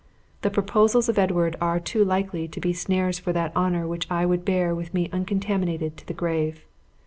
"The proposals of Edward are too likely to be snares for that honor which I would bear with me uncontaminated to the grave.